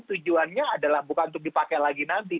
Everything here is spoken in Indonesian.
tujuannya adalah bukan untuk dipakai lagi nanti